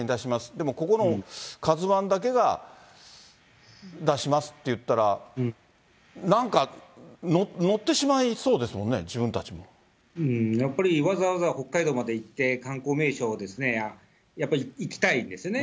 でもここのカズワンだけが出しますって言ったら、なんか乗ってしまいそうですもんね、うん、やっぱりわざわざ北海道まで行って、観光名所を、やっぱり行きたいですよね。